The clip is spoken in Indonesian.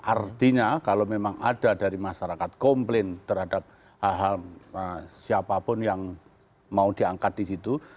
artinya kalau memang ada dari masyarakat komplain terhadap hal hal siapapun yang mau diangkat di situ